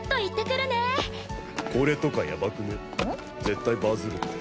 絶対バズるって。